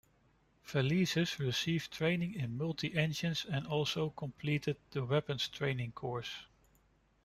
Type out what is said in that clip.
Felices received training in multi-engines and also completed the weapons training course.